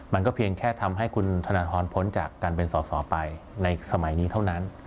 มันก็เพียงแค่ทำให้คุณธนทรพ้นจากการเป็นสอสอไปในสมัยนี้เท่านั้น